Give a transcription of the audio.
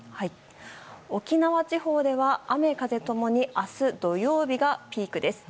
沖縄地方では雨風共に明日土曜日がピークです。